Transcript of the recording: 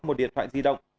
một điện thoại di động